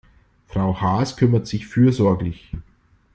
Frau Haas kümmert sich fürsorglich.